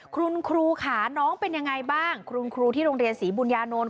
คุณครูค่ะน้องเป็นยังไงบ้างคุณครูที่โรงเรียนศรีบุญญานนท์